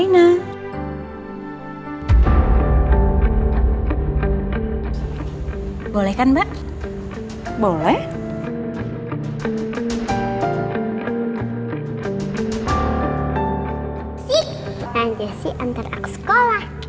sik nanti sih antar aku sekolah